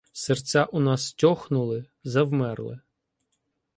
Серця у нас тьохнули, завмерли.